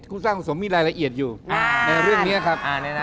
ผู้สร้างผสมมีรายละเอียดอยู่ในเรื่องนี้ครับ